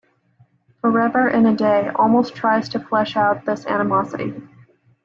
"Forever in a Day" almost tries to flesh out this animosity.